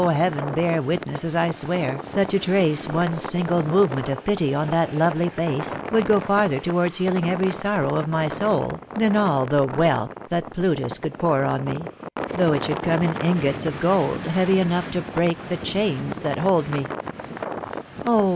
heaven, bear witness as I swear, that to trace one single movement of pity on that lovely face would go farther towards healing every sorrow of my soul than all the wealth that Plutus could pour on me, though it should come in ingots of gold heavy enough to break the chains that hold me I" " Oh!